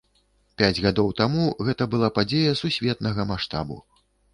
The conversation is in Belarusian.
Пяць гадоў таму гэта была падзея сусветнага маштабу.